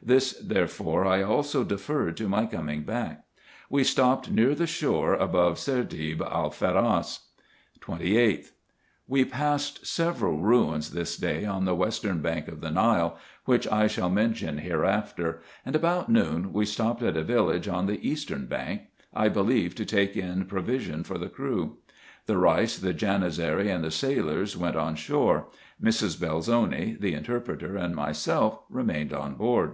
This, therefore, I also deferred to my coming back. We stopped near the shore above Sardeeb el farras. 28th. — We passed several ruins this day on the western bank of the Nile, which I shall mention hereafter, and about noon we stopped at a village on the eastern bank, I believe to take in pro vision for the crew. The Keis, the Janizary, and the sailors went on shore ; Mrs. Belzoni, the interpreter, and myself, remained on board.